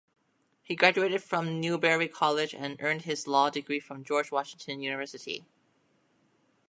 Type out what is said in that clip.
He graduated from Newberry College and earned his law degree from George Washington University.